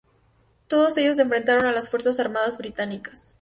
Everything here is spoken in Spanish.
Todos ellos enfrentaron a las Fuerzas Armadas británicas.